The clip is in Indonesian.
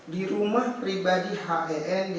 di rumah pribadi hen